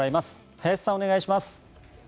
林さん、お願いします。